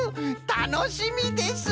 たのしみです！